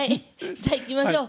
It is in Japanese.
じゃあいきましょう。